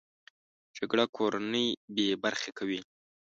جګړه کورنۍ بې برخې کوي